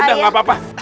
udah gak apa apa